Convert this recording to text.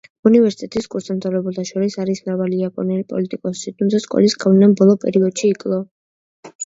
უნივერსიტეტის კურსდამთავრებულთა შორის არის მრავალი იაპონელი პოლიტიკოსი, თუმცა სკოლის გავლენამ ბოლო პერიოდში იკლო.